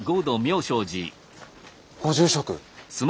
ご住職！